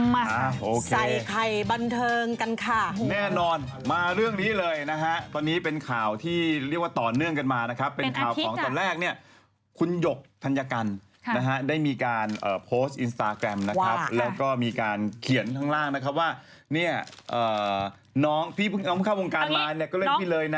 โอเคใส่ไข่บันเทิงกันค่ะแน่นอนมาเรื่องนี้เลยนะฮะตอนนี้เป็นข่าวที่เรียกว่าต่อเนื่องกันมานะครับเป็นข่าวของตอนแรกเนี่ยคุณหยกธัญกันนะฮะได้มีการโพสต์อินสตาแกรมนะครับแล้วก็มีการเขียนข้างล่างนะครับว่าเนี่ยน้องพี่น้องเข้าวงการไลน์เนี่ยก็เล่นพี่เลยนะ